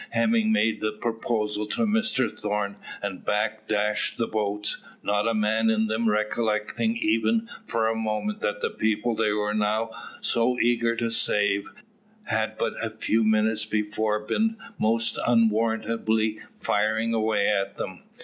Hemming made the proposal to Mr Thorn, and back dashed the boats, not a man in them recollecting even for a moment that the people they were now so eager to save, had but a few minutes before been most unwarrantably firing away at them.